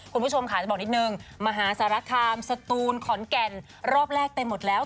คุณผู้ชมค่ะจะบอกนิดนึงมหาสารคามสตูนขอนแก่นรอบแรกเต็มหมดแล้ว